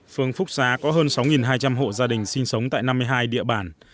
phường phúc xá có hơn sáu hai trăm linh hộ gia đình sinh sống tại năm mươi hai địa bản